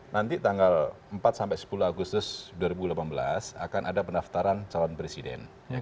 nanti tanggal empat sampai sepuluh agustus dua ribu delapan belas akan ada pendaftaran calon presiden